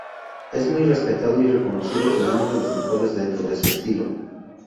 Es muy respetado y reconocido como uno de los mejores dentro de su estilo.